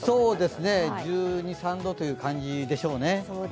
１２１３度という感じでしょうね。